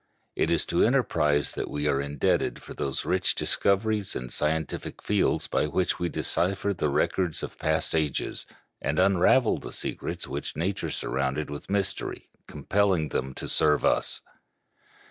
It is to enterprise that we are indebted for those rich discoveries in scientific fields by which we decipher the records of past ages, and unravel the secrets which nature surrounded with mystery, compelling them to serve us.